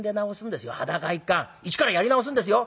一からやり直すんですよ。